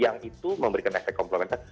yang itu memberikan efek komplementasi